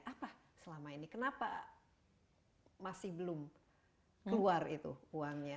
apa selama ini kenapa masih belum keluar itu uangnya